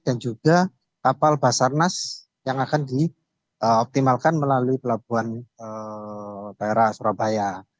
dan juga kapal basarnas yang akan dioptimalkan melalui pelabuhan daerah surabaya